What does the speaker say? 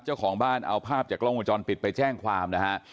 เจ้าของบ้านเอาภาพจากกล้องวงจรปิดไปแจ้งความนะฮะ